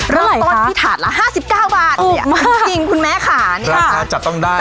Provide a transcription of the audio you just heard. เมื่อก่อนที่ถาดละห้าสิบเก้าบาทเห็นจริงคุณแม่ขาราคาจัดต้องได้